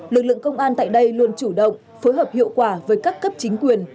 lực lượng công an tại đây luôn chủ động phối hợp hiệu quả với các cấp chính quyền